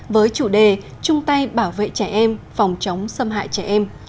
với chủ đề trung tay bảo vệ trẻ em phòng chống xâm hại trẻ em